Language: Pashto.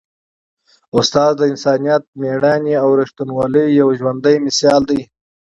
استاد د انسانیت، مېړانې او ریښتینولۍ یو ژوندی مثال دی.